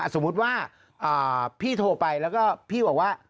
สมมุติว่าพี่โทรไปแล้วก็พี่บอกว่า